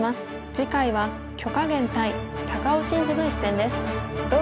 次回は許家元対高尾紳路の一戦です。